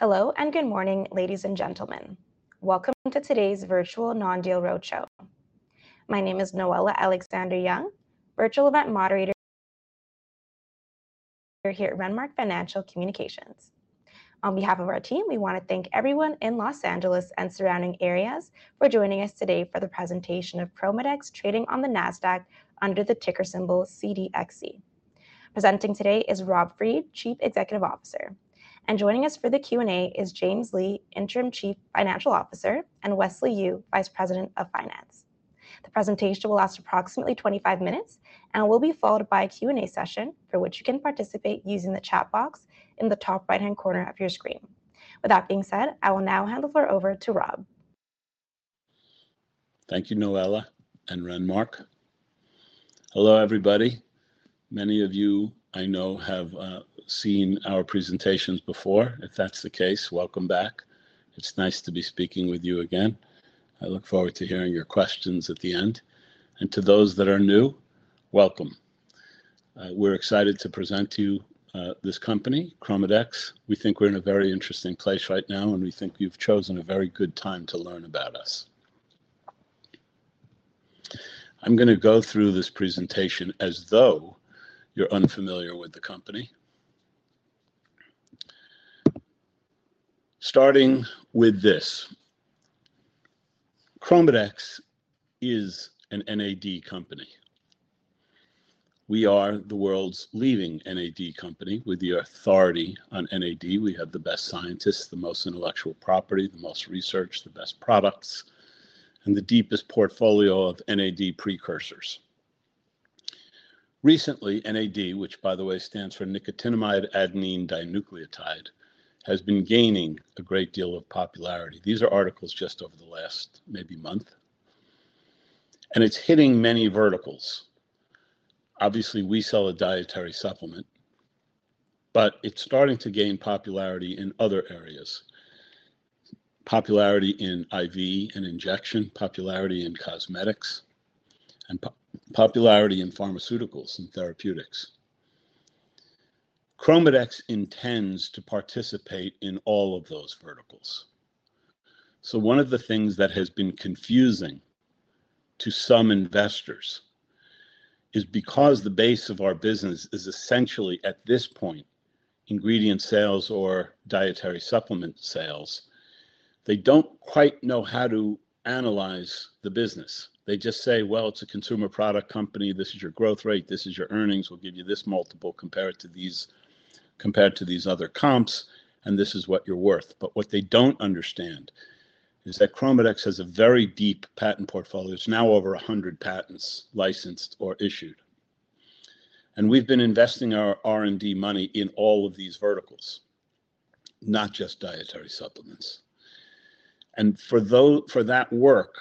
Hello, and good morning, ladies and gentlemen. Welcome to today's virtual non-deal roadshow. My name is Noella Alexander-Young, virtual event moderator here at Renmark Financial Communications. On behalf of our team, we wanna thank everyone in Los Angeles and surrounding areas for joining us today for the presentation of ChromaDex trading on the NASDAQ under the ticker symbol CDXC. Presenting today is Rob Fried, Chief Executive Officer, and joining us for the Q&A is James Lee, Interim Chief Financial Officer, and Wesley Yu, Vice President of Finance. The presentation will last approximately 25 minutes and will be followed by a Q&A session, for which you can participate using the chat box in the top right-hand corner of your screen. With that being said, I will now hand the floor over to Rob. Thank you, Noella and Renmark. Hello, everybody. Many of you I know have seen our presentations before. If that's the case, welcome back. It's nice to be speaking with you again. I look forward to hearing your questions at the end, and to those that are new, welcome. We're excited to present to you this company, ChromaDex. We think we're in a very interesting place right now, and we think you've chosen a very good time to learn about us. I'm gonna go through this presentation as though you're unfamiliar with the company. Starting with this: ChromaDex is an NAD company. We are the world's leading NAD company with the authority on NAD. We have the best scientists, the most intellectual property, the most research, the best products, and the deepest portfolio of NAD precursors. Recently, NAD, which, by the way, stands for nicotinamide adenine dinucleotide, has been gaining a great deal of popularity. These are articles just over the last maybe month, and it's hitting many verticals. Obviously, we sell a dietary supplement, but it's starting to gain popularity in other areas. Popularity in IV and injection, popularity in cosmetics, and popularity in pharmaceuticals and therapeutics. ChromaDex intends to participate in all of those verticals. So one of the things that has been confusing to some investors is because the base of our business is essentially, at this point, ingredient sales or dietary supplement sales, they don't quite know how to analyze the business. They just say: "Well, it's a consumer product company. This is your growth rate. This is your earnings. We'll give you this multiple, compare it to these other comps, and this is what you're worth," but what they don't understand is that ChromaDex has a very deep patent portfolio. It's now over a hundred patents, licensed or issued, and we've been investing our R&D money in all of these verticals, not just dietary supplements, and for that work,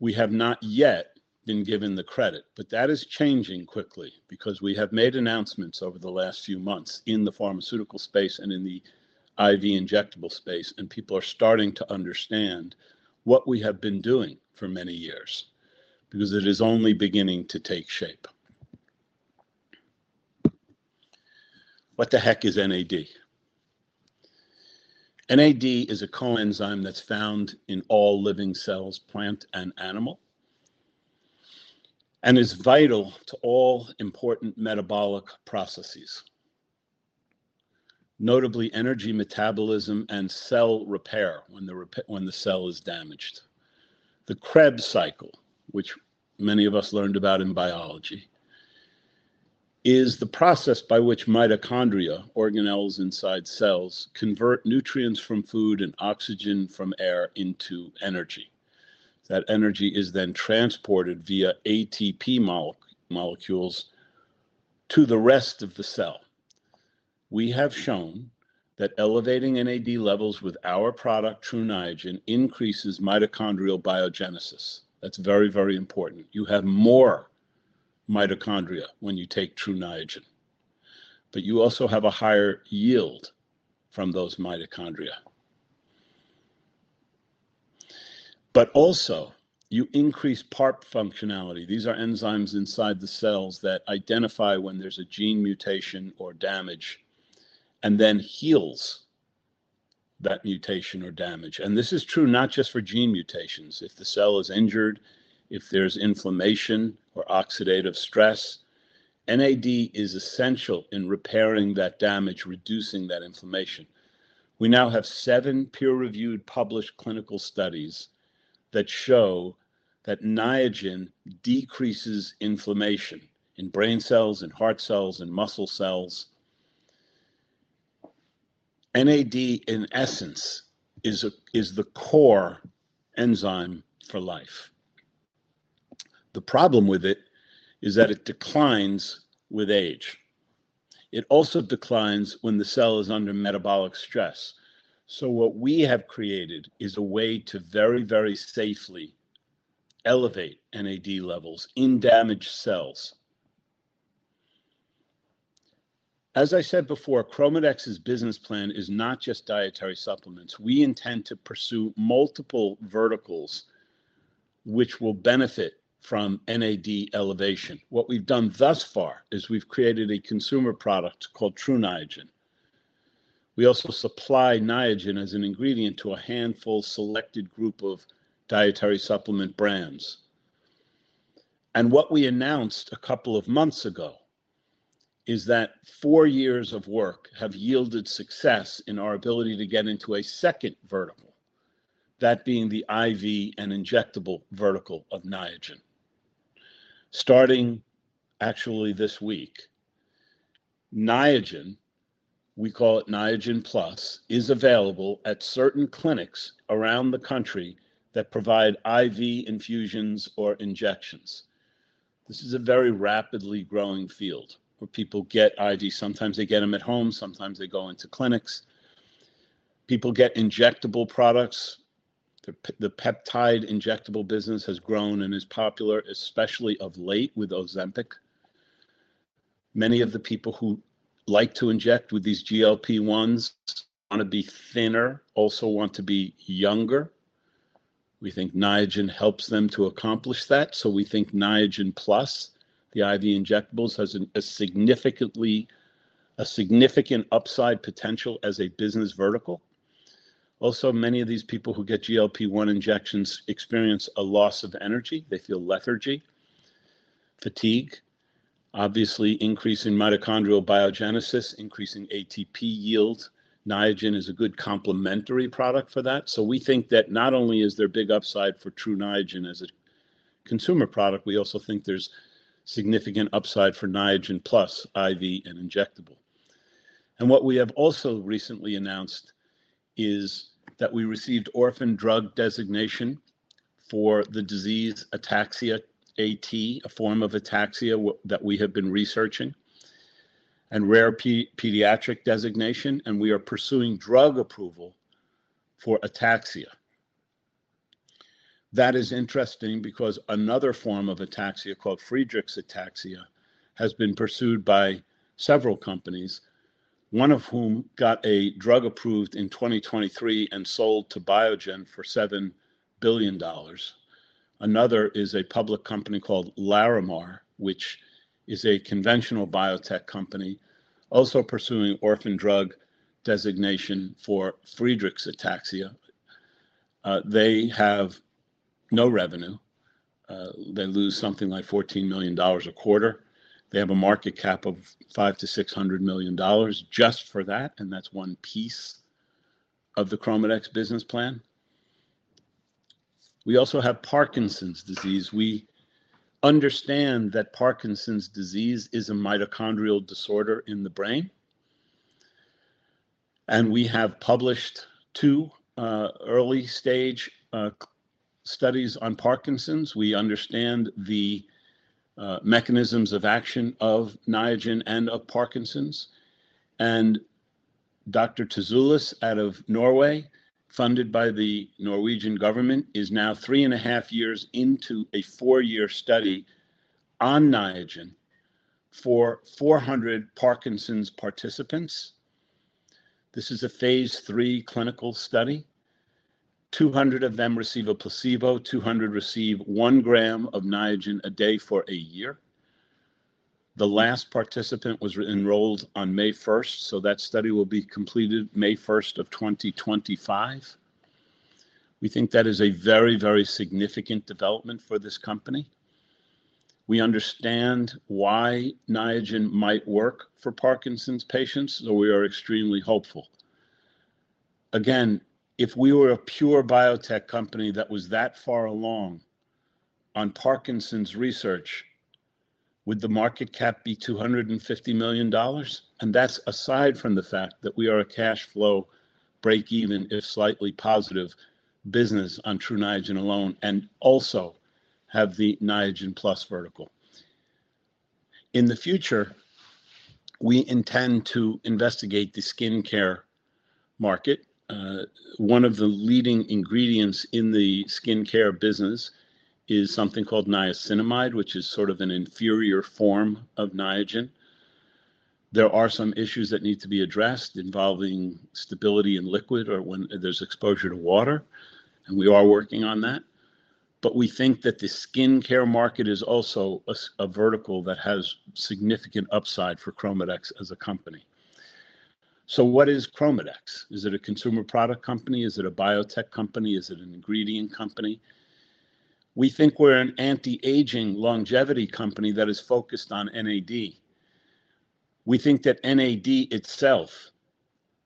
we have not yet been given the credit, but that is changing quickly because we have made announcements over the last few months in the pharmaceutical space and in the IV injectable space, and people are starting to understand what we have been doing for many years because it is only beginning to take shape. What the heck is NAD? NAD is a coenzyme that's found in all living cells, plant and animal, and is vital to all important metabolic processes, notably energy metabolism and cell repair when the cell is damaged. The Krebs cycle, which many of us learned about in biology, is the process by which mitochondria, organelles inside cells, convert nutrients from food and oxygen from air into energy. That energy is then transported via ATP molecules to the rest of the cell. We have shown that elevating NAD levels with our product, Tru Niagen, increases mitochondrial biogenesis. That's very, very important. You have more mitochondria when you take Tru Niagen, but you also have a higher yield from those mitochondria. But also, you increase PARP functionality. These are enzymes inside the cells that identify when there's a gene mutation or damage, and then heals that mutation or damage. This is true not just for gene mutations. If the cell is injured, if there's inflammation or oxidative stress, NAD is essential in repairing that damage, reducing that inflammation. We now have seven peer-reviewed, published clinical studies that show that Niagen decreases inflammation in brain cells, in heart cells, in muscle cells. NAD, in essence, is a, is the core enzyme for life. The problem with it is that it declines with age. It also declines when the cell is under metabolic stress. So what we have created is a way to very, very safely elevate NAD levels in damaged cells. As I said before, ChromaDex's business plan is not just dietary supplements. We intend to pursue multiple verticals, which will benefit from NAD elevation. What we've done thus far, is we've created a consumer product called Tru Niagen. We also supply Niagen as an ingredient to a handful selected group of dietary supplement brands. What we announced a couple of months ago is that four years of work have yielded success in our ability to get into a second vertical, that being the IV and injectable vertical of Niagen. Starting actually this week, Niagen, we call it Niagen Plus, is available at certain clinics around the country that provide IV infusions or injections. This is a very rapidly growing field, where people get IVs. Sometimes they get them at home, sometimes they go into clinics. People get injectable products. The peptide injectable business has grown and is popular, especially of late with Ozempic. Many of the people who like to inject with these GLP-1s wanna be thinner, also want to be younger. We think Niagen helps them to accomplish that, so we think Niagen Plus, the IV injectables, has a significant upside potential as a business vertical. Also, many of these people who get GLP-1 injections experience a loss of energy. They feel lethargy, fatigue. Obviously, increase in mitochondrial biogenesis, increasing ATP yield, Niagen is a good complementary product for that. So we think that not only is there big upside for Tru Niagen as a consumer product, we also think there's significant upside for Niagen Plus, IV and injectable. And what we have also recently announced is that we received orphan drug designation for the disease ataxia, AT, a form of ataxia that we have been researching, and rare pediatric designation, and we are pursuing drug approval for ataxia. That is interesting because another form of ataxia, called Friedreich's ataxia, has been pursued by several companies, one of whom got a drug approved in 2023 and sold to Biogen for $7 billion. Another is a public company called Larimar, which is a conventional biotech company, also pursuing orphan drug designation for Friedreich's ataxia. They have no revenue. They lose something like $14 million a quarter. They have a market cap of $500 million-$600 million just for that, and that's one piece of the ChromaDex business plan. We also have Parkinson's disease. We understand that Parkinson's disease is a mitochondrial disorder in the brain, and we have published two early-stage studies on Parkinson's. We understand the mechanisms of action of Niagen and of Parkinson's. And Dr. Tzoulis out of Norway, funded by the Norwegian government, is now three and a half years into a four-year study on Niagen for 400 Parkinson's participants. This is a phase III clinical study. 200 of them receive a placebo, 200 receive one gram of Niagen a day for a year. The last participant was enrolled on May first, so that study will be completed May first of 2025. We think that is a very, very significant development for this company. We understand why Niagen might work for Parkinson's patients, so we are extremely hopeful. Again, if we were a pure biotech company that was that far along on Parkinson's research, would the market cap be $250 million? That's aside from the fact that we are a cash flow break-even, if slightly positive, business on Tru Niagen alone, and also have the Niagen Plus vertical. In the future, we intend to investigate the skin care market. One of the leading ingredients in the skin care business is something called niacinamide, which is sort of an inferior form of Niagen. There are some issues that need to be addressed involving stability in liquid or when there's exposure to water, and we are working on that. We think that the skin care market is also a vertical that has significant upside for ChromaDex as a company. What is ChromaDex? Is it a consumer product company? Is it a biotech company? Is it an ingredient company? We think we're an anti-aging longevity company that is focused on NAD. We think that NAD itself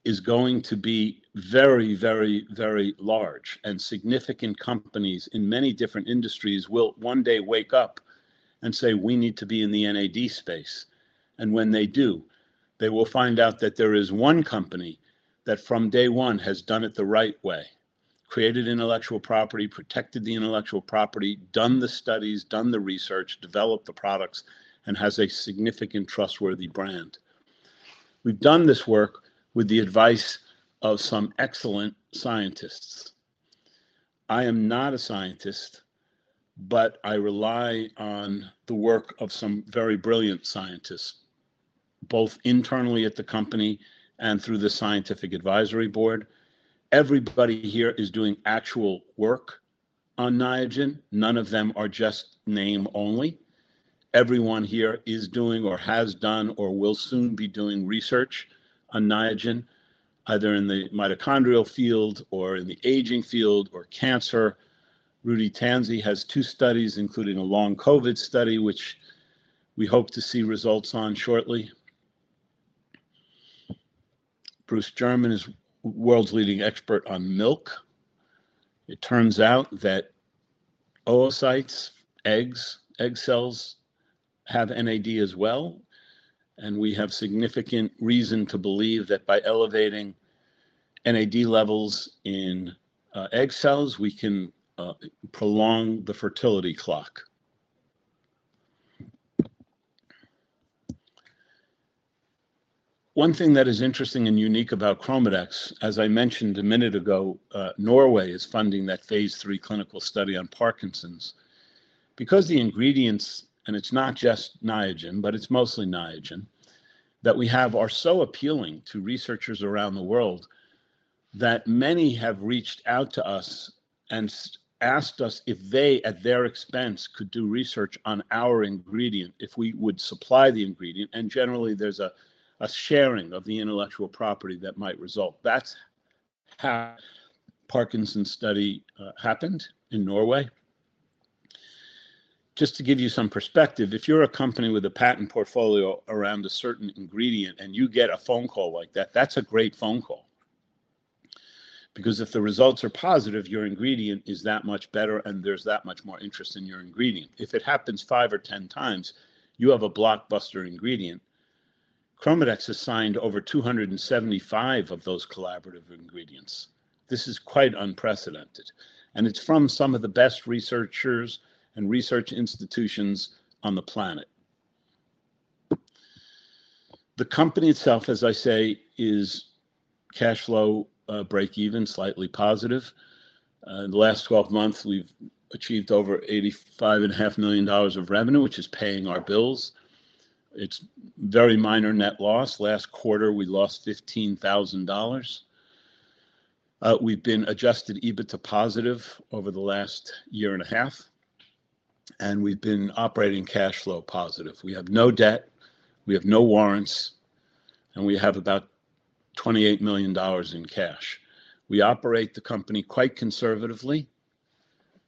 is going to be very, very, very large, and significant companies in many different industries will one day wake up and say, "We need to be in the NAD space." And when they do, they will find out that there is one company that from day one has done it the right way, created intellectual property, protected the intellectual property, done the studies, done the research, developed the products, and has a significant trustworthy brand. We've done this work with the advice of some excellent scientists. I am not a scientist, but I rely on the work of some very brilliant scientists... both internally at the company and through the scientific advisory board. Everybody here is doing actual work on Niagen. None of them are just name only. Everyone here is doing or has done, or will soon be doing research on Niagen, either in the mitochondrial field or in the aging field or cancer. Rudy Tanzi has two studies, including a long COVID study, which we hope to see results on shortly. Bruce German is world's leading expert on milk. It turns out that oocytes, eggs, egg cells, have NAD as well, and we have significant reason to believe that by elevating NAD levels in egg cells, we can prolong the fertility clock. One thing that is interesting and unique about ChromaDex, as I mentioned a minute ago, Norway is funding that phase III clinical study on Parkinson's. Because the ingredients, and it's not just Niagen, but it's mostly Niagen, that we have are so appealing to researchers around the world, that many have reached out to us and asked us if they, at their expense, could do research on our ingredient, if we would supply the ingredient, and generally, there's a sharing of the intellectual property that might result. That's how Parkinson's study happened in Norway. Just to give you some perspective, if you're a company with a patent portfolio around a certain ingredient, and you get a phone call like that, that's a great phone call. Because if the results are positive, your ingredient is that much better, and there's that much more interest in your ingredient. If it happens five or 10x, you have a blockbuster ingredient. ChromaDex has signed over 275 of those collaborative agreements. This is quite unprecedented, and it's from some of the best researchers and research institutions on the planet. The company itself, as I say, is cashflow, break even, slightly positive. In the last 12 months, we've achieved over $85.5 million of revenue, which is paying our bills. It's very minor net loss. Last quarter, we lost $15,000. We've been adjusted EBITDA positive over the last year and a half, and we've been operating cash flow positive. We have no debt, we have no warrants, and we have about $28 million in cash. We operate the company quite conservatively.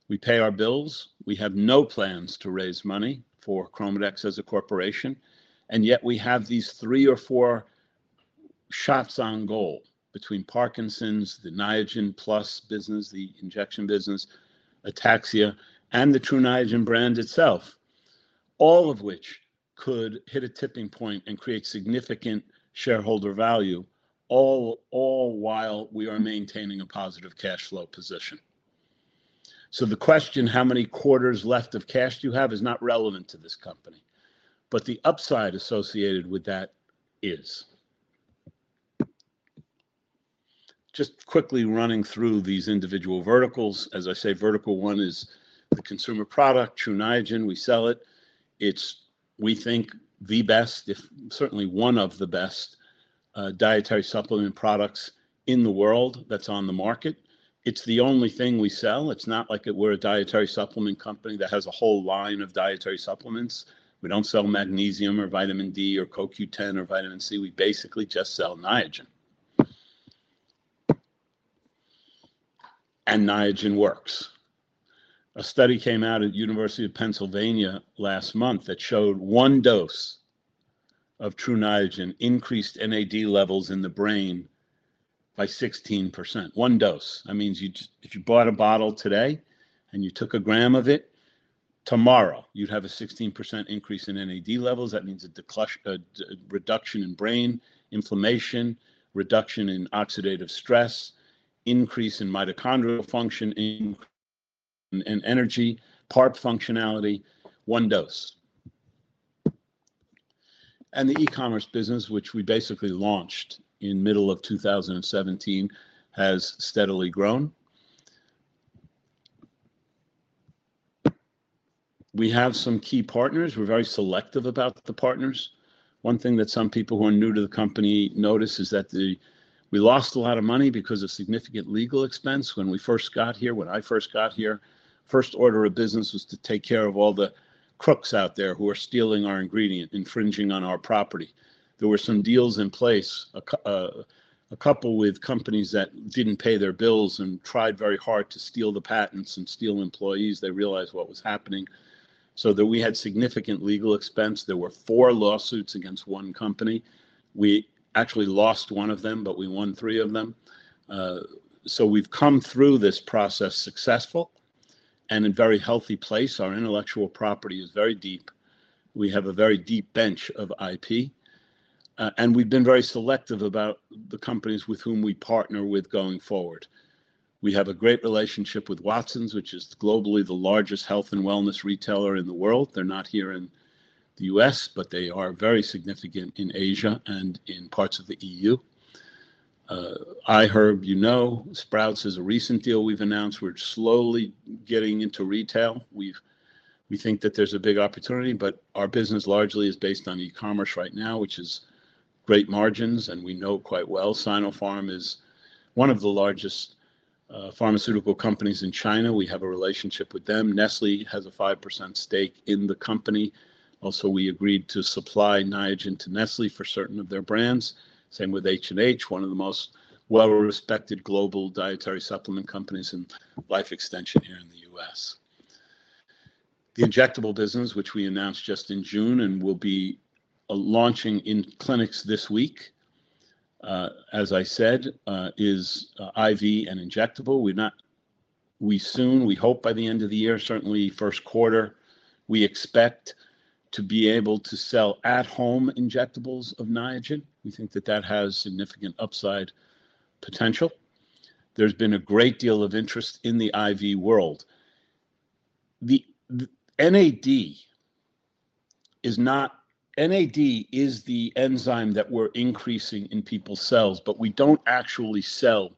We pay our bills. We have no plans to raise money for ChromaDex as a corporation, and yet we have these three or four shots on goal between Parkinson's, the Niagen Plus business, the injection business, ataxia, and the Tru Niagen brand itself, all of which could hit a tipping point and create significant shareholder value, all while we are maintaining a positive cash flow position, so the question, how many quarters left of cash do you have, is not relevant to this company, but the upside associated with that is. Just quickly running through these individual verticals. As I say, vertical one is the consumer product, Tru Niagen. We sell it. It's, we think, the best, certainly one of the best, dietary supplement products in the world that's on the market. It's the only thing we sell. It's not like we're a dietary supplement company that has a whole line of dietary supplements. We don't sell magnesium or vitamin D or CoQ10 or vitamin C. We basically just sell Niagen. And Niagen works. A study came out at University of Pennsylvania last month that showed one dose of Tru Niagen increased NAD levels in the brain by 16%. One dose. That means if you bought a bottle today and you took a gram of it, tomorrow, you'd have a 16% increase in NAD levels. That means a decrease in brain inflammation, reduction in oxidative stress, increase in mitochondrial function, increase in energy, PARP functionality, one dose. And the e-commerce business, which we basically launched in middle of 2017, has steadily grown. We have some key partners. We're very selective about the partners. One thing that some people who are new to the company notice is that we lost a lot of money because of significant legal expense when we first got here, when I first got here. First order of business was to take care of all the crooks out there who were stealing our ingredient, infringing on our property. There were some deals in place, a couple with companies that didn't pay their bills and tried very hard to steal the patents and steal employees. They realized what was happening, so that we had significant legal expense. There were four lawsuits against one company. We actually lost one of them, but we won three of them. So we've come through this process successful and in very healthy place. Our intellectual property is very deep. We have a very deep bench of IP, and we've been very selective about the companies with whom we partner with going forward. We have a great relationship with Watsons, which is globally the largest health and wellness retailer in the world. They're not here in the U.S., but they are very significant in Asia and in parts of the EU. iHerb, you know, Sprouts is a recent deal we've announced. We're slowly getting into retail. We think that there's a big opportunity, but our business largely is based on e-commerce right now, which is great margins, and we know quite well. Sinopharm is one of the largest pharmaceutical companies in China. We have a relationship with them. Nestlé has a 5% stake in the company. Also, we agreed to supply Niagen to Nestlé for certain of their brands. Same with H&H, one of the most well-respected global dietary supplement companies in life extension here in the U.S. The injectable business, which we announced just in June and will be launching in clinics this week, as I said, is IV and injectable. We soon, we hope by the end of the year, certainly first quarter, we expect to be able to sell at-home injectables of Niagen. We think that that has significant upside potential. There's been a great deal of interest in the IV world. The NAD is not. NAD is the enzyme that we're increasing in people's cells, but we don't actually sell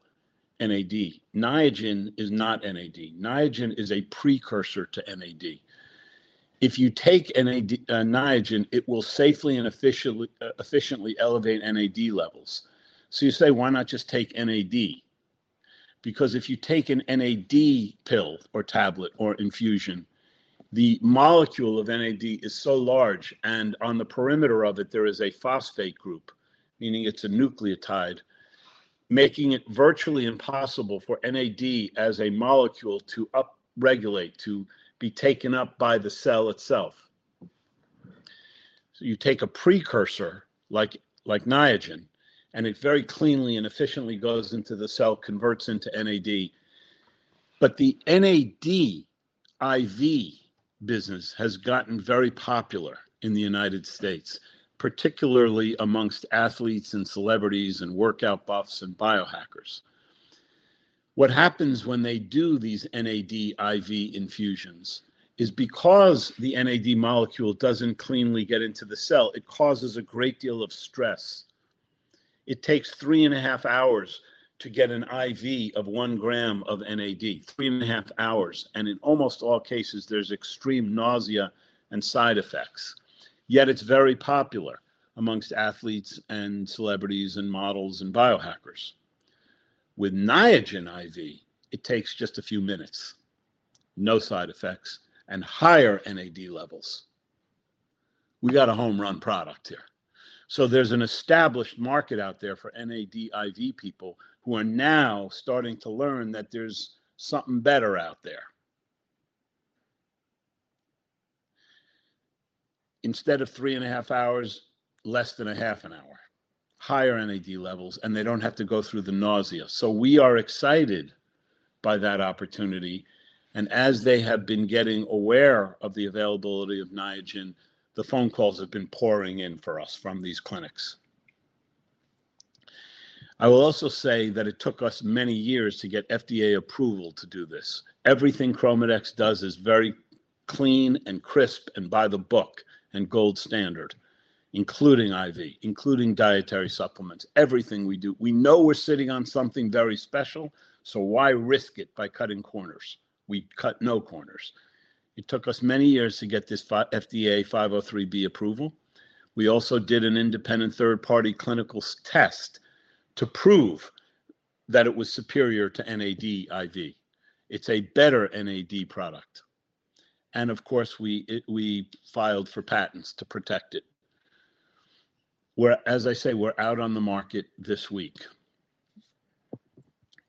NAD. Niagen is not NAD. Niagen is a precursor to NAD. If you take Niagen, it will safely and efficiently elevate NAD levels. So you say, "Why not just take NAD?" Because if you take an NAD pill, or tablet, or infusion, the molecule of NAD is so large, and on the perimeter of it, there is a phosphate group, meaning it's a nucleotide, making it virtually impossible for NAD as a molecule to upregulate, to be taken up by the cell itself. So you take a precursor, like Niagen, and it very cleanly and efficiently goes into the cell, converts into NAD. But the NAD IV business has gotten very popular in the United States, particularly among athletes, and celebrities, and workout buffs, and biohackers. What happens when they do these NAD IV infusions is because the NAD molecule doesn't cleanly get into the cell. It causes a great deal of stress. It takes three and a half hours to get an IV of one gram of NAD, three and a half hours, and in almost all cases, there's extreme nausea and side effects. Yet it's very popular among athletes, and celebrities, and models, and biohackers. With Niagen IV, it takes just a few minutes, no side effects, and higher NAD levels. We got a home-run product here, so there's an established market out there for NAD IV people who are now starting to learn that there's something better out there. Instead of three and a half hours, less than a half an hour, higher NAD levels, and they don't have to go through the nausea, so we are excited by that opportunity, and as they have been getting aware of the availability of Niagen, the phone calls have been pouring in for us from these clinics. I will also say that it took us many years to get FDA approval to do this. Everything ChromaDex does is very clean and crisp, and by the book, and gold standard, including IV, including dietary supplements, everything we do. We know we're sitting on something very special, so why risk it by cutting corners? We cut no corners. It took us many years to get this FDA 503B approval. We also did an independent third-party clinical test to prove that it was superior to NAD IV. It's a better NAD product, and of course, we filed for patents to protect it. As I say, we're out on the market this week.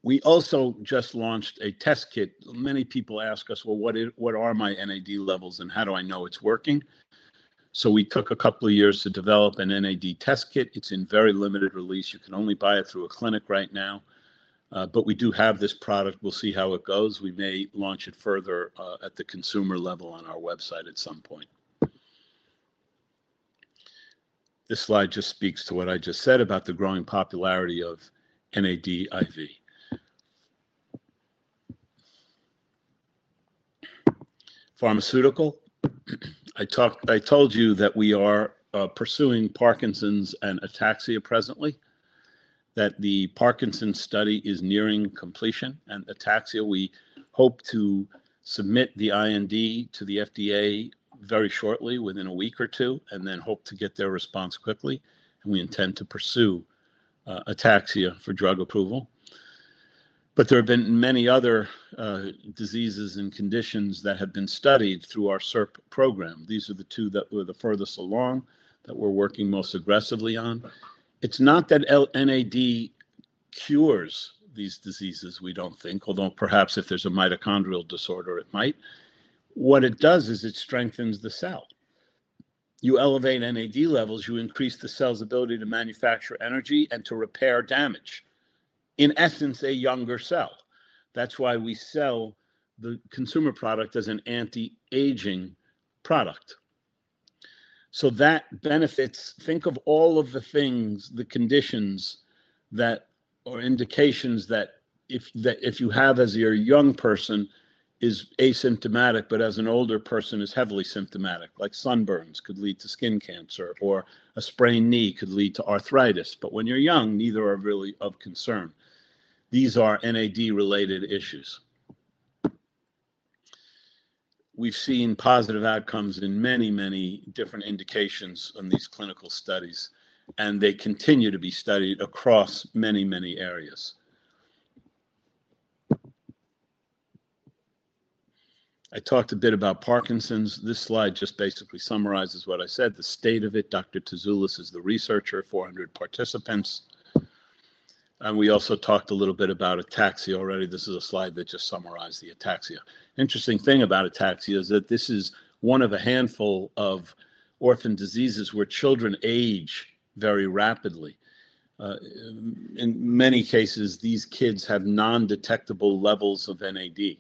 We also just launched a test kit. Many people ask us, "Well, what are my NAD levels, and how do I know it's working?" so we took a couple of years to develop an NAD test kit. It's in very limited release. You can only buy it through a clinic right now, but we do have this product. We'll see how it goes. We may launch it further, at the consumer level on our website at some point. This slide just speaks to what I just said about the growing popularity of NAD IV. Pharmaceutical, I told you that we are pursuing Parkinson's and ataxia presently, that the Parkinson's study is nearing completion, and ataxia, we hope to submit the IND to the FDA very shortly, within a week or two, and then hope to get their response quickly, and we intend to pursue ataxia for drug approval. But there have been many other diseases and conditions that have been studied through our CERP program. These are the two that were the furthest along, that we're working most aggressively on. It's not that NAD cures these diseases, we don't think, although perhaps if there's a mitochondrial disorder, it might. What it does is it strengthens the cell. You elevate NAD levels, you increase the cell's ability to manufacture energy and to repair damage. In essence, a younger cell. That's why we sell the consumer product as an anti-aging product. So that benefits. Think of all of the things, the conditions that, or indications that if you have as you're a young person is asymptomatic, but as an older person is heavily symptomatic, like sunburns could lead to skin cancer, or a sprained knee could lead to arthritis. But when you're young, neither are really of concern. These are NAD-related issues. We've seen positive outcomes in many, many different indications on these clinical studies, and they continue to be studied across many, many areas. I talked a bit about Parkinson's. This slide just basically summarizes what I said, the state of it. Dr. Tzoulis is the researcher, 400 participants. And we also talked a little bit about ataxia already. This is a slide that just summarized the ataxia. Interesting thing about ataxia is that this is one of a handful of orphan diseases where children age very rapidly. In many cases, these kids have non-detectable levels of NAD.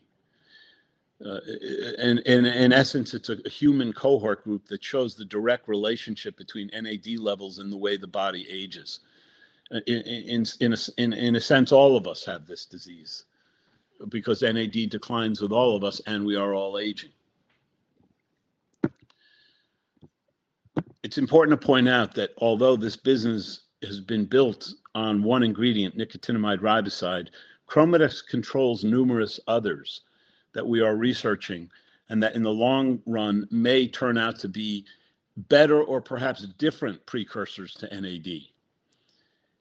And in essence, it's a human cohort group that shows the direct relationship between NAD levels and the way the body ages. In a sense, all of us have this disease, because NAD declines with all of us, and we are all aging. It's important to point out that although this business has been built on one ingredient, nicotinamide riboside, ChromaDex controls numerous others that we are researching, and that in the long run, may turn out to be better or perhaps different precursors to NAD.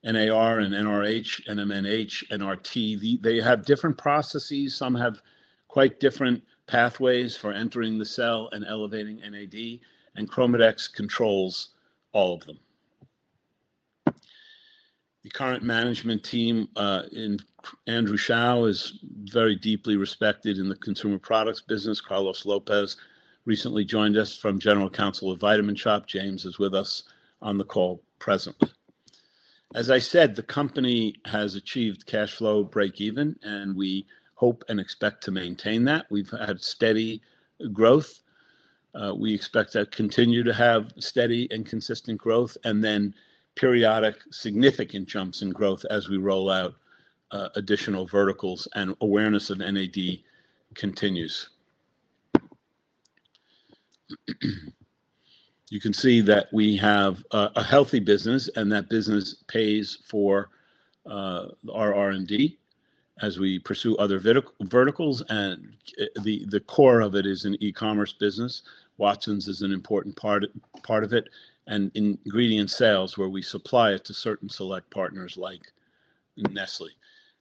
NAR and NRH, NMNH, NRT, they have different processes. Some have quite different pathways for entering the cell and elevating NAD, and ChromaDex controls all of them. The current management team, Andrew Shao is very deeply respected in the consumer products business. Carlos Lopez recently joined us from General Counsel of Vitamin Shoppe. James is with us on the call present. As I said, the company has achieved cash flow break even, and we hope and expect to maintain that. We've had steady growth. We expect to continue to have steady and consistent growth, and then periodic significant jumps in growth as we roll out additional verticals and awareness of NAD continues. You can see that we have a healthy business, and that business pays for our R&D as we pursue other verticals, and the core of it is an e-commerce business. Watsons is an important part of it, and ingredient sales, where we supply it to certain select partners like Nestlé.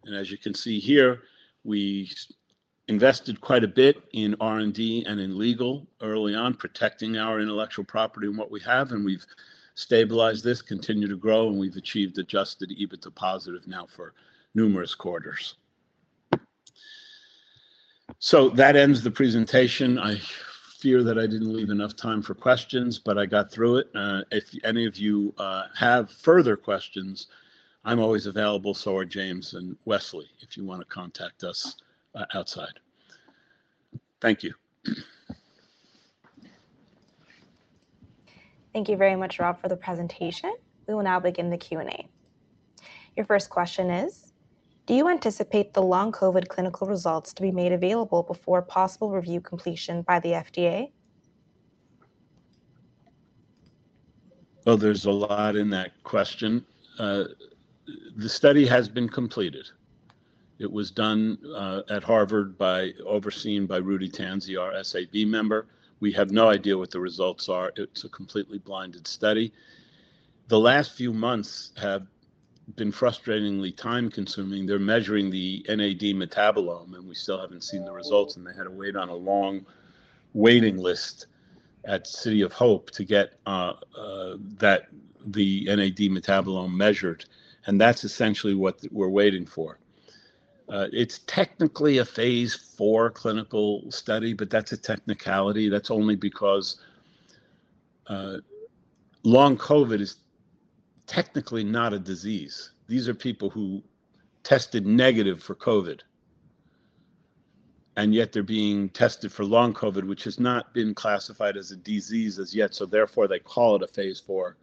And as you can see here, we invested quite a bit in R&D and in legal early on, protecting our intellectual property and what we have, and we've stabilized this, continued to grow, and we've achieved adjusted EBITDA positive now for numerous quarters. So that ends the presentation. I fear that I didn't leave enough time for questions, but I got through it. If any of you have further questions, I'm always available, so are James and Wesley, if you want to contact us outside. Thank you. Thank you very much, Rob, for the presentation. We will now begin the Q&A. Your first question is: Do you anticipate the Long COVID clinical results to be made available before possible review completion by the FDA? There's a lot in that question. The study has been completed. It was done at Harvard, overseen by Rudy Tanzi, our SAB member. We have no idea what the results are. It's a completely blinded study. The last few months have been frustratingly time-consuming. They're measuring the NAD metabolome, and we still haven't seen the results, and they had to wait on a long waiting list at City of Hope to get the NAD metabolome measured, and that's essentially what we're waiting for. It's technically a phase IV clinical study, but that's a technicality. That's only because long COVID is technically not a disease. These are people who tested negative for COVID, and yet they're being tested for Long COVID, which has not been classified as a disease as yet. So therefore, they call it a phase IV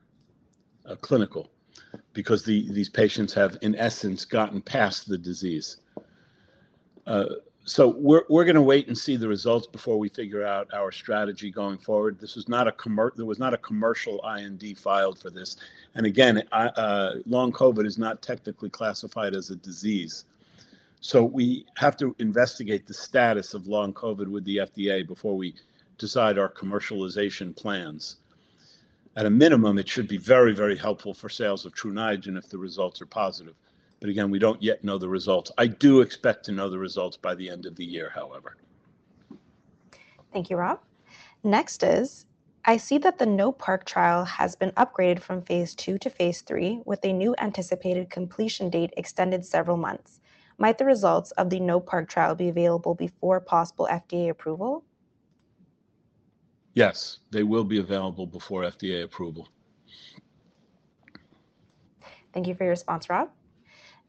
clinical, because these patients have, in essence, gotten past the disease. So we're gonna wait and see the results before we figure out our strategy going forward. This was not a commer— There was not a commercial IND filed for this. And again, long COVID is not technically classified as a disease. So we have to investigate the status of long COVID with the FDA before we decide our commercialization plans. At a minimum, it should be very, very helpful for sales of Tru Niagen if the results are positive. But again, we don't yet know the results. I do expect to know the results by the end of the year, however. Thank you, Rob. Next is: I see that the NO-PARK trial has been upgraded from phase II to phase III, with a new anticipated completion date extended several months. Might the results of the NO-PARK trial be available before possible FDA approval? Yes, they will be available before FDA approval. Thank you for your response, Rob.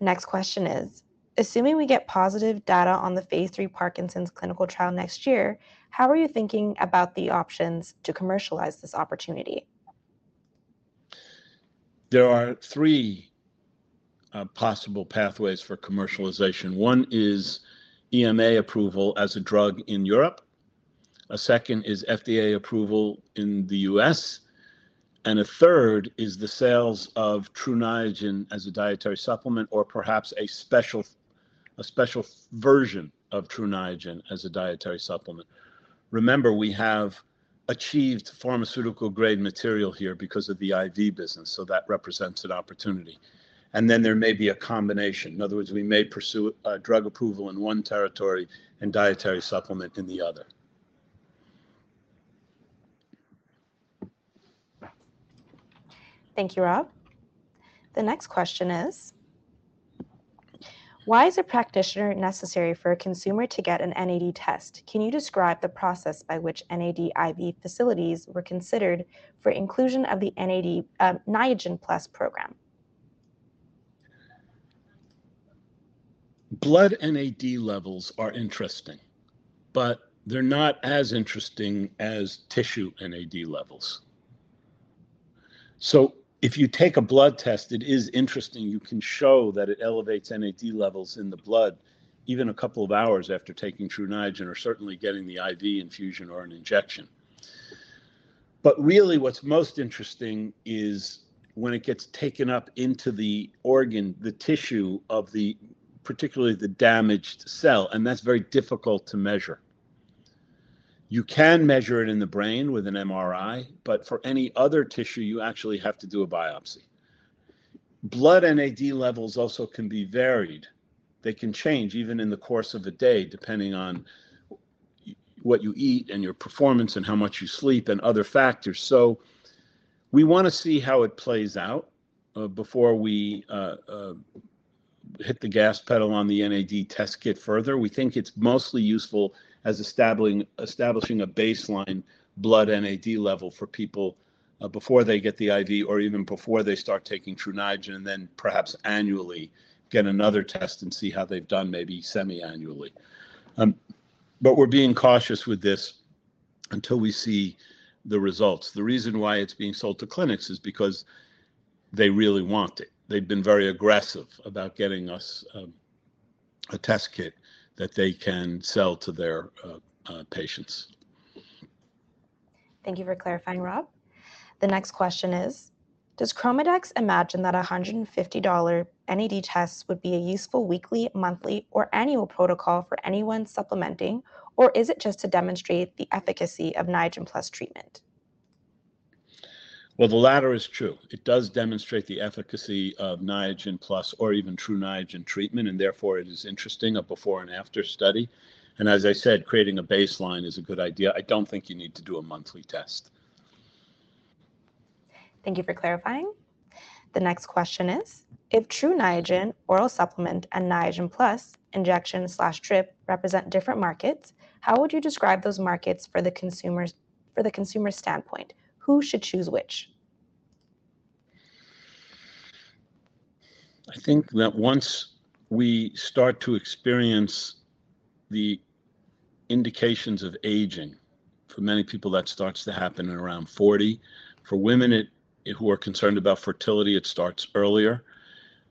Next question is: Assuming we get positive data on the phase III Parkinson's clinical trial next year, how are you thinking about the options to commercialize this opportunity?... There are three possible pathways for commercialization. One is EMA approval as a drug in Europe, a second is FDA approval in the U.S., and a third is the sales of Tru Niagen as a dietary supplement, or perhaps a special version of Tru Niagen as a dietary supplement. Remember, we have achieved pharmaceutical-grade material here because of the IV business, so that represents an opportunity. And then there may be a combination. In other words, we may pursue a drug approval in one territory and dietary supplement in the other. Thank you, Rob. The next question is: Why is a practitioner necessary for a consumer to get an NAD test? Can you describe the process by which NAD IV facilities were considered for inclusion of the NAD, Niagen Plus program? Blood NAD levels are interesting, but they're not as interesting as tissue NAD levels. So if you take a blood test, it is interesting. You can show that it elevates NAD levels in the blood, even a couple of hours after taking Tru Niagen or certainly getting the IV infusion or an injection. But really, what's most interesting is when it gets taken up into the organ, the tissue of the, particularly the damaged cell, and that's very difficult to measure. You can measure it in the brain with an MRI, but for any other tissue, you actually have to do a biopsy. Blood NAD levels also can be varied. They can change even in the course of a day, depending on what you eat, and your performance, and how much you sleep, and other factors. We wanna see how it plays out before we hit the gas pedal on the NAD test kit further. We think it's mostly useful as establishing a baseline blood NAD level for people before they get the IV or even before they start taking Tru Niagen, and then perhaps annually get another test and see how they've done, maybe semiannually. We're being cautious with this until we see the results. The reason why it's being sold to clinics is because they really want it. They've been very aggressive about getting us a test kit that they can sell to their patients. Thank you for clarifying, Rob. The next question is: Does ChromaDex imagine that a $150 NAD test would be a useful weekly, monthly, or annual protocol for anyone supplementing, or is it just to demonstrate the efficacy of Niagen Plus treatment? The latter is true. It does demonstrate the efficacy of Niagen Plus or even Tru Niagen treatment, and therefore, it is interesting: a before-and-after study. As I said, creating a baseline is a good idea. I don't think you need to do a monthly test. Thank you for clarifying. The next question is: If Tru Niagen oral supplement and Niagen Plus injection/drip represent different markets, how would you describe those markets for the consumer's standpoint? Who should choose which? I think that once we start to experience the indications of aging, for many people, that starts to happen at around forty. For women who are concerned about fertility, it starts earlier.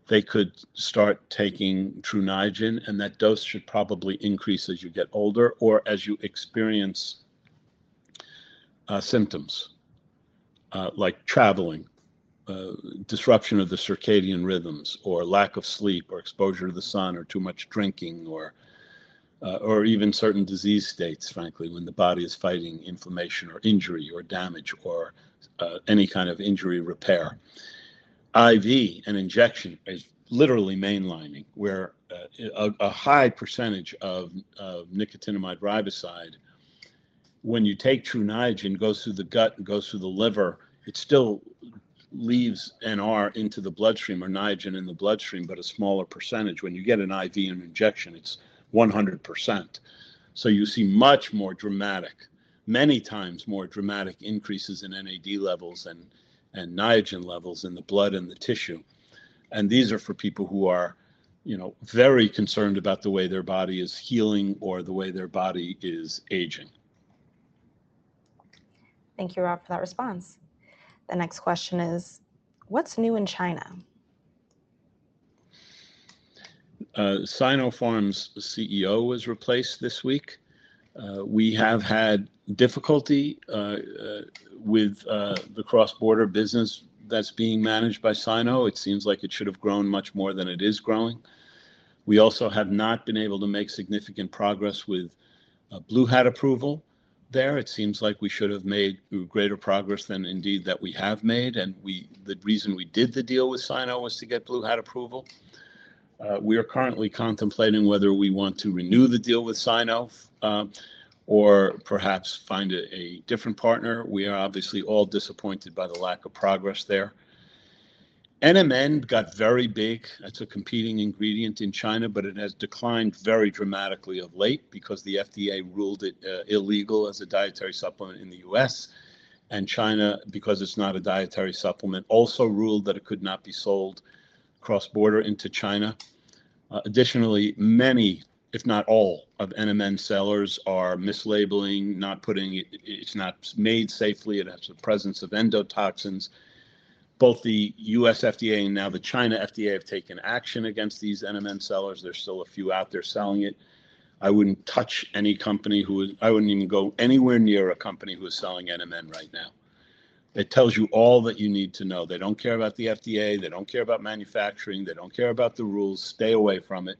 They could start taking Tru Niagen, and that dose should probably increase as you get older or as you experience symptoms like traveling, disruption of the circadian rhythms, or lack of sleep, or exposure to the sun, or too much drinking, or even certain disease states, frankly, when the body is fighting inflammation or injury or damage or any kind of injury repair. IV, an injection, is literally mainlining, where a high percentage of nicotinamide riboside, when you take Tru Niagen, goes through the gut and goes through the liver. It still leaves NR into the bloodstream or Niagen in the bloodstream, but a smaller percentage. When you get an IV and injection, it's 100%, so you see much more dramatic, many times more dramatic increases in NAD levels and Niagen levels in the blood and the tissue. These are for people who are, you know, very concerned about the way their body is healing or the way their body is aging. Thank you, Rob, for that response. The next question is: What's new in China? Sinopharm's CEO was replaced this week. We have had difficulty with the cross-border business that's being managed by Sino. It seems like it should have grown much more than it is growing. We also have not been able to make significant progress with Blue Hat approval there. It seems like we should have made greater progress than indeed that we have made, and the reason we did the deal with Sino was to get Blue Hat approval. We are currently contemplating whether we want to renew the deal with Sino, or perhaps find a different partner. We are obviously all disappointed by the lack of progress there. NMN got very big. That's a competing ingredient in China, but it has declined very dramatically of late because the FDA ruled it illegal as a dietary supplement in the U.S., and China, because it's not a dietary supplement, also ruled that it could not be sold cross-border into China. Additionally, many, if not all, of NMN sellers are mislabeling, it's not made safely, it has the presence of endotoxins. Both the U.S. FDA and now the China FDA have taken action against these NMN sellers. There's still a few out there selling it. I wouldn't even go anywhere near a company who is selling NMN right now. It tells you all that you need to know. They don't care about the FDA, they don't care about manufacturing, they don't care about the rules. Stay away from it.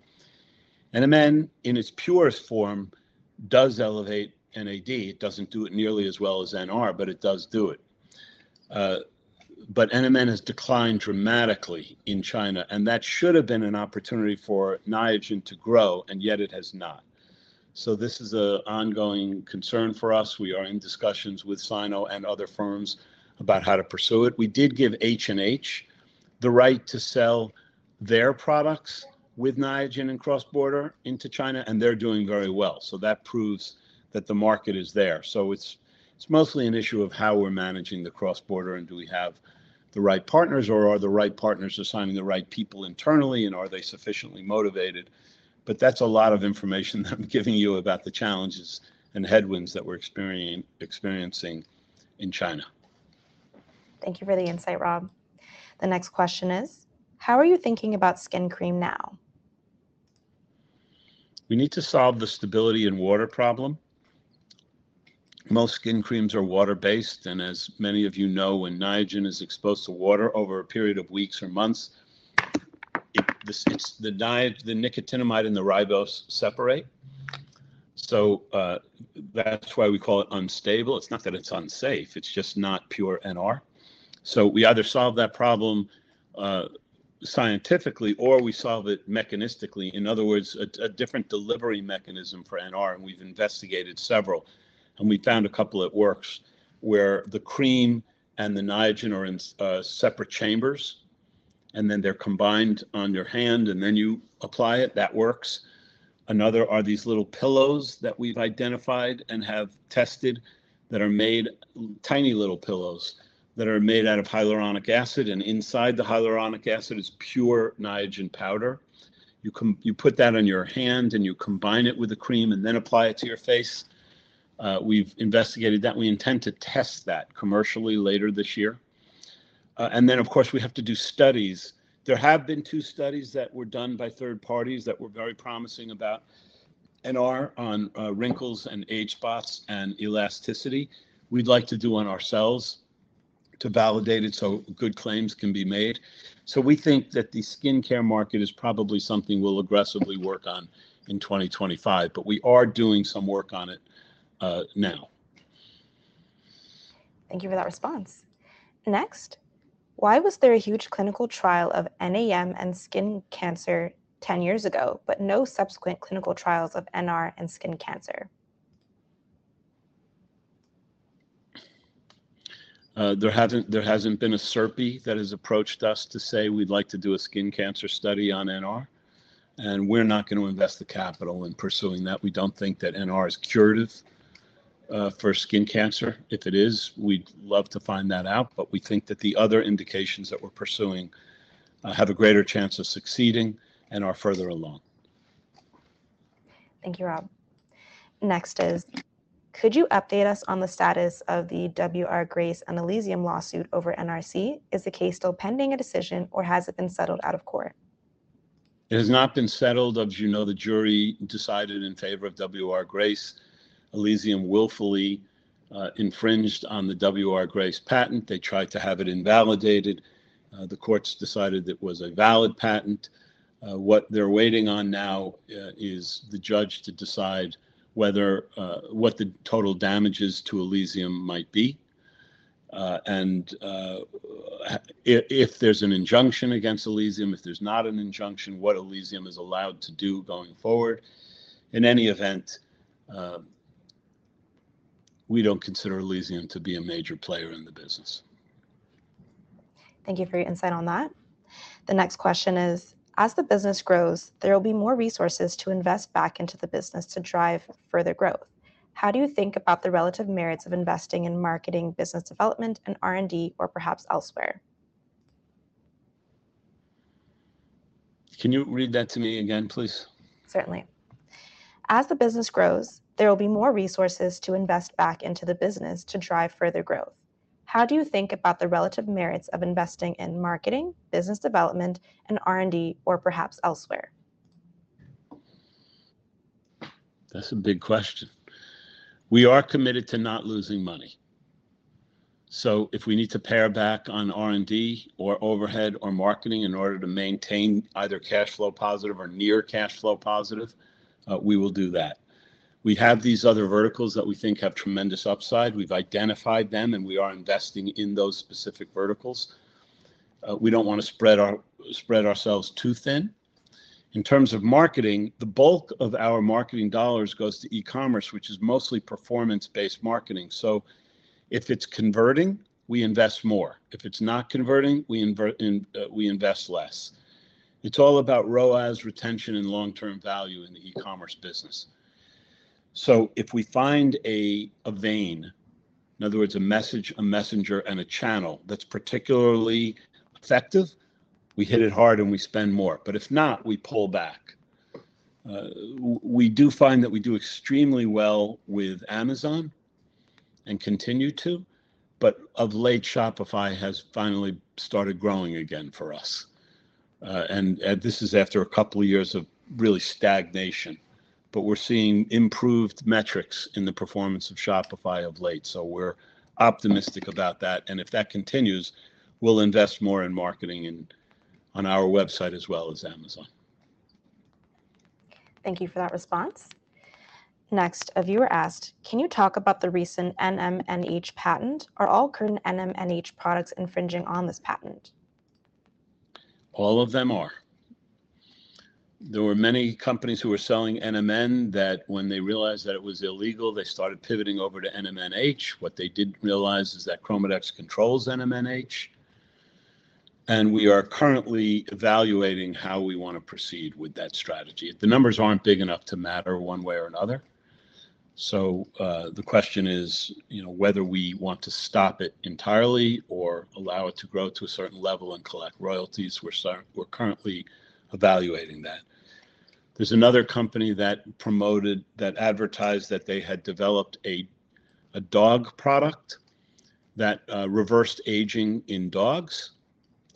NMN, in its purest form, does elevate NAD. It doesn't do it nearly as well as NR, but it does do it. But NMN has declined dramatically in China, and that should have been an opportunity for Niagen to grow, and yet it has not. So this is an ongoing concern for us. We are in discussions with Sinopharm and other firms about how to pursue it. We did give H&H the right to sell their products with Niagen in cross-border into China, and they're doing very well, so that proves that the market is there. So it's, it's mostly an issue of how we're managing the cross-border, and do we have the right partners, or are the right partners assigning the right people internally, and are they sufficiently motivated? But that's a lot of information I'm giving you about the challenges and headwinds that we're experiencing in China. Thank you for the insight, Rob. The next question is: how are you thinking about skin cream now? We need to solve the stability and water problem. Most skin creams are water-based, and as many of you know, when Niagen is exposed to water over a period of weeks or months, it, the nicotinamide and the ribose separate. So, that's why we call it unstable. It's not that it's unsafe, it's just not pure NR. So we either solve that problem scientifically, or we solve it mechanistically. In other words, a different delivery mechanism for NR, and we've investigated several, and we found a couple that works, where the cream and the Niagen are in separate chambers, and then they're combined on your hand, and then you apply it. That works. Another are these little pillows that we've identified and have tested, that are made... tiny little pillows that are made out of hyaluronic acid, and inside the hyaluronic acid is pure Niagen powder. You put that on your hand, and you combine it with the cream, and then apply it to your face. We've investigated that. We intend to test that commercially later this year, and then, of course, we have to do studies. There have been two studies that were done by third parties that were very promising about NR on wrinkles and age spots and elasticity. We'd like to do one ourselves to validate it, so good claims can be made, so we think that the skincare market is probably something we'll aggressively work on in 2025, but we are doing some work on it now. Thank you for that response. Next, why was there a huge clinical trial of NAM and skin cancer ten years ago, but no subsequent clinical trials of NR and skin cancer? There hasn't been a CERP that has approached us to say, "We'd like to do a skin cancer study on NR," and we're not going to invest the capital in pursuing that. We don't think that NR is curative for skin cancer. If it is, we'd love to find that out, but we think that the other indications that we're pursuing have a greater chance of succeeding and are further along. Thank you, Rob. Next is: Could you update us on the status of the W. R. Grace and Elysium lawsuit over NRCl? Is the case still pending a decision, or has it been settled out of court? It has not been settled. As you know, the jury decided in favor of W. R. Grace. Elysium willfully infringed on the W. R. Grace patent. They tried to have it invalidated. The courts decided it was a valid patent. What they're waiting on now is the judge to decide whether what the total damages to Elysium might be, and if there's an injunction against Elysium, if there's not an injunction, what Elysium is allowed to do going forward. In any event, we don't consider Elysium to be a major player in the business. Thank you for your insight on that. The next question is: As the business grows, there will be more resources to invest back into the business to drive further growth. How do you think about the relative merits of investing in marketing, business development, and R&D, or perhaps elsewhere? Can you read that to me again, please? Certainly. As the business grows, there will be more resources to invest back into the business to drive further growth. How do you think about the relative merits of investing in marketing, business development, and R&D, or perhaps elsewhere? That's a big question. We are committed to not losing money, so if we need to pare back on R&D or overhead or marketing in order to maintain either cash flow positive or near cash flow positive, we will do that. We have these other verticals that we think have tremendous upside. We've identified them, and we are investing in those specific verticals. We don't wanna spread ourselves too thin. In terms of marketing, the bulk of our marketing dollars goes to e-commerce, which is mostly performance-based marketing. So if it's converting, we invest more, if it's not converting, we invest less. It's all about ROAS, retention, and long-term value in the e-commerce business.... So if we find a vein, in other words, a message, a messenger, and a channel that's particularly effective, we hit it hard and we spend more, but if not, we pull back. We do find that we do extremely well with Amazon and continue to, but of late, Shopify has finally started growing again for us. And this is after a couple of years of really stagnation, but we're seeing improved metrics in the performance of Shopify of late. So we're optimistic about that, and if that continues, we'll invest more in marketing and on our website, as well as Amazon. Thank you for that response. Next, a viewer asked: Can you talk about the recent NMNH patent? Are all current NMNH products infringing on this patent? All of them are. There were many companies who were selling NMN, that when they realized that it was illegal, they started pivoting over to NMNH. What they didn't realize is that ChromaDex controls NMNH, and we are currently evaluating how we wanna proceed with that strategy. The numbers aren't big enough to matter one way or another. So, the question is, you know, whether we want to stop it entirely or allow it to grow to a certain level and collect royalties. We're currently evaluating that. There's another company that promoted, that advertised that they had developed a dog product that reversed aging in dogs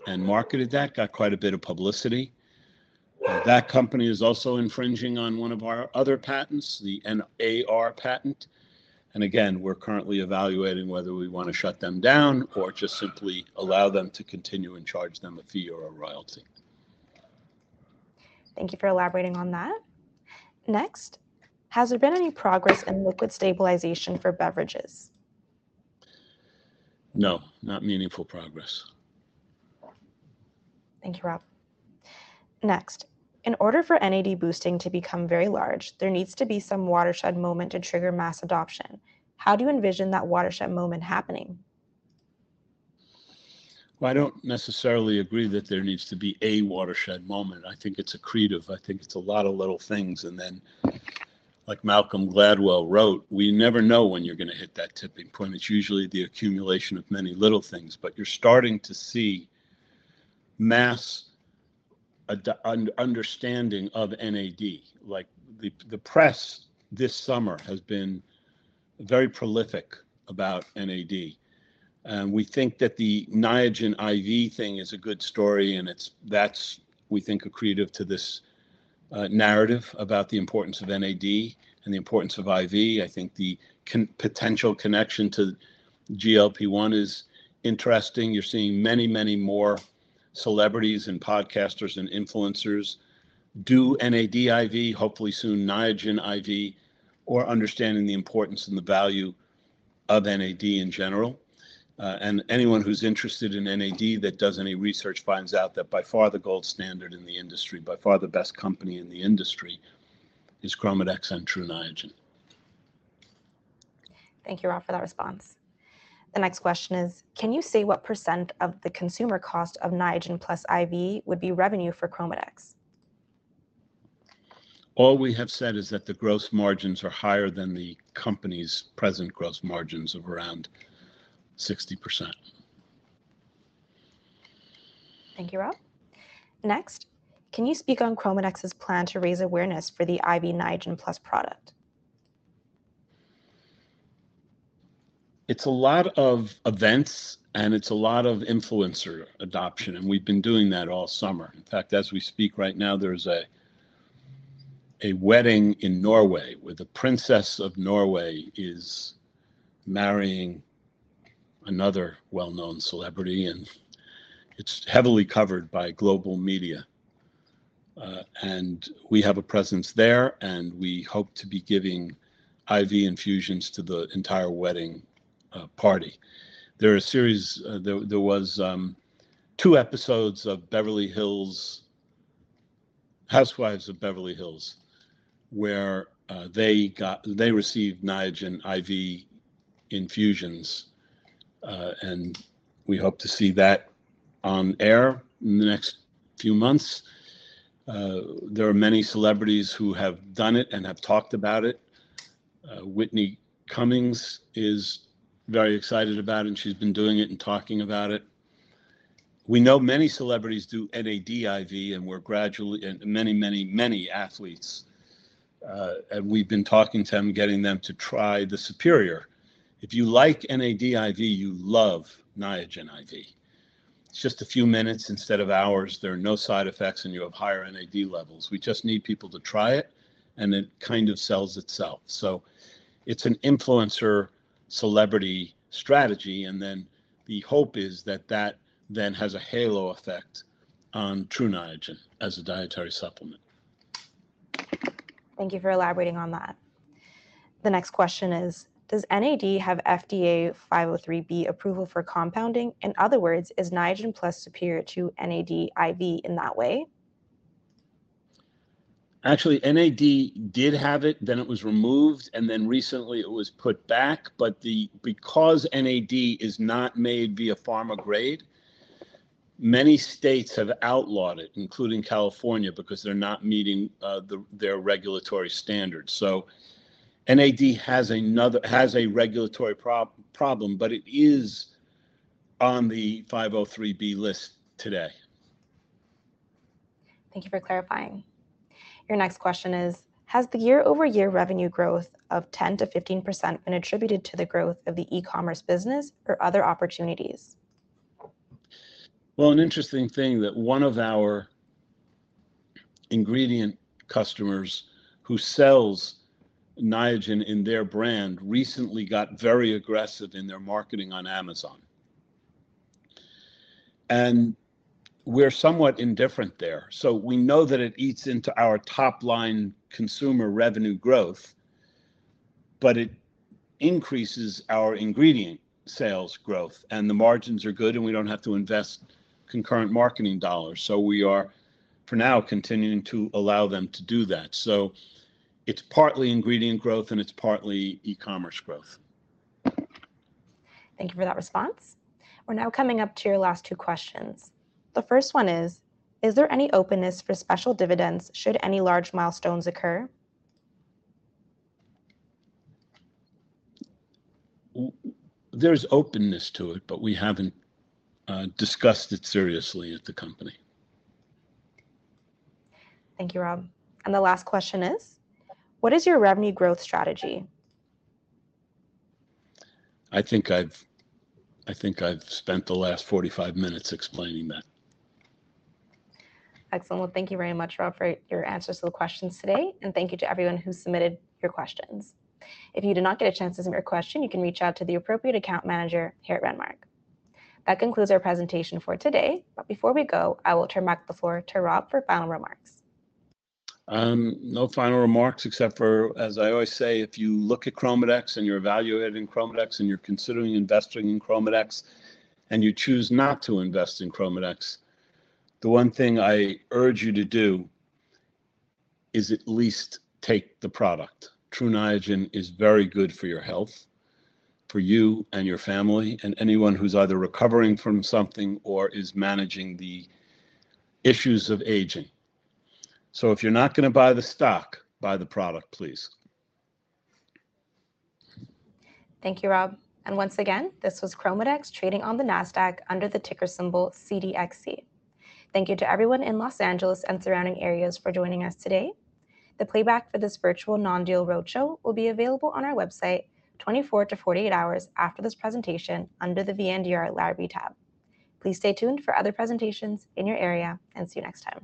and marketed that, got quite a bit of publicity. That company is also infringing on one of our other patents, the NAR patent, and again, we're currently evaluating whether we wanna shut them down or just simply allow them to continue and charge them a fee or a royalty. Thank you for elaborating on that. Next, has there been any progress in liquid stabilization for beverages? No, not meaningful progress. Thank you, Rob. Next, in order for NAD boosting to become very large, there needs to be some watershed moment to trigger mass adoption. How do you envision that watershed moment happening? I don't necessarily agree that there needs to be a watershed moment. I think it's accretive. I think it's a lot of little things, and then, like Malcolm Gladwell wrote, we never know when you're gonna hit that tipping point. It's usually the accumulation of many little things, but you're starting to see mass understanding of NAD. Like, the press this summer has been very prolific about NAD, and we think that the Niagen IV thing is a good story, and that's, we think, accretive to this narrative about the importance of NAD and the importance of IV. I think the potential connection to GLP-1 is interesting. You're seeing many, many more celebrities, and podcasters, and influencers do NAD IV, hopefully soon Niagen IV, or understanding the importance and the value of NAD in general. and anyone who's interested in NAD that does any research, finds out that by far, the gold standard in the industry, by far the best company in the industry is ChromaDex and Tru Niagen. Thank you, Rob, for that response. The next question is: Can you say what percent of the consumer cost of Niagen Plus IV would be revenue for ChromaDex? All we have said is that the gross margins are higher than the company's present gross margins of around 60%. Thank you, Rob. Next, can you speak on ChromaDex's plan to raise awareness for the IV Niagen Plus product? It's a lot of events, and it's a lot of influencer adoption, and we've been doing that all summer. In fact, as we speak right now, there's a wedding in Norway, where the Princess of Norway is marrying another well-known celebrity, and it's heavily covered by global media. And we have a presence there, and we hope to be giving IV infusions to the entire wedding party. There was two episodes of Beverly Hills Housewives of Beverly Hills, where they received Niagen IV infusions, and we hope to see that on air in the next few months. There are many celebrities who have done it and have talked about it. Whitney Cummings is very excited about it, and she's been doing it and talking about it. We know many celebrities do NAD IV, and we're gradually, and many, many, many athletes, and we've been talking to them, getting them to try the Niagen. If you like NAD IV, you'll love Niagen IV. It's just a few minutes instead of hours. There are no side effects, and you have higher NAD levels. We just need people to try it, and it kind of sells itself. So it's an influencer, celebrity strategy, and then the hope is that that then has a halo effect on Tru Niagen as a dietary supplement. Thank you for elaborating on that. The next question is: Does NAD have FDA 503B approval for compounding? In other words, is Niagen superior to NAD IV in that way? Actually, NAD did have it, then it was removed, and then recently it was put back, but because NAD is not made via pharma grade, many states have outlawed it, including California, because they're not meeting their regulatory standards. So NAD has another regulatory problem, but it is on the 503B list today. Thank you for clarifying. Your next question is: Has the year-over-year revenue growth of 10%-15% been attributed to the growth of the e-commerce business or other opportunities? An interesting thing that one of our ingredient customers who sells Niagen in their brand recently got very aggressive in their marketing on Amazon. We're somewhat indifferent there. We know that it eats into our top line consumer revenue growth, but it increases our ingredient sales growth, and the margins are good, and we don't have to invest concurrent marketing dollars. We are, for now, continuing to allow them to do that. It's partly ingredient growth, and it's partly e-commerce growth. Thank you for that response. We're now coming up to your last two questions. The first one is: Is there any openness for special dividends should any large milestones occur? There's openness to it, but we haven't discussed it seriously at the company. Thank you, Rob. And the last question is: What is your revenue growth strategy? I think I've spent the last 45 minutes explaining that. Excellent. Thank you very much, Rob, for your answers to the questions today, and thank you to everyone who submitted your questions. If you did not get a chance to submit your question, you can reach out to the appropriate account manager here at Renmark. That concludes our presentation for today, but before we go, I will turn back the floor to Rob for final remarks. No final remarks, except for, as I always say, if you look at ChromaDex, and you're evaluating ChromaDex, and you're considering investing in ChromaDex, and you choose not to invest in ChromaDex, the one thing I urge you to do is at least take the product. Tru Niagen is very good for your health, for you and your family, and anyone who's either recovering from something or is managing the issues of aging. So if you're not gonna buy the stock, buy the product, please. Thank you, Rob. And once again, this was ChromaDex, trading on the NASDAQ under the ticker symbol CDXC. Thank you to everyone in Los Angeles and surrounding areas for joining us today. The playback for this virtual non-deal roadshow will be available on our website, 24-48 hours after this presentation, under the VNDR Library tab. Please stay tuned for other presentations in your area, and see you next time.